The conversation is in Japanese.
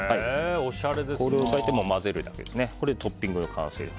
加えて混ぜるだけでトッピングの完成です。